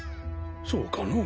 そうかの？